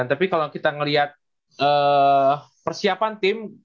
tapi kalau kita melihat persiapan tim